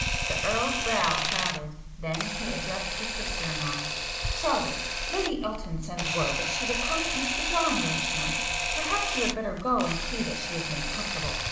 The Earl's brow clouded,—then he addressed his sister in law,— "Charlotte, Lady Elton sends word that she will come into the drawing room to night. Perhaps you had better go and see that she is made comfortable."